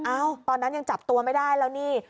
ตอนนั้นยังจับตัวไม่ได้แล้วนี่